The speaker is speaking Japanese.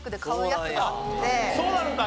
そうなのか。